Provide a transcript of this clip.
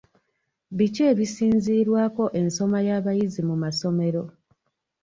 Biki ebisinziirwako ensoma y'abayizi mu masomero.